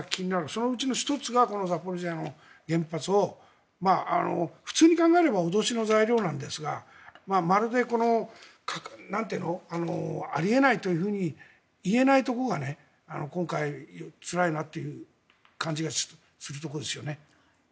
そのうちの１つがこのザポリージャの原発普通に考えれば脅しの材料なんですがまるであり得ないというふうに言えないところが今回、つらいなという感じがするところですよね。